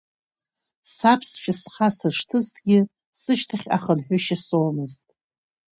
Саԥсшәа схасыршҭызҭгьы сышьҭахьҟа хынҳәышьа соуамызт!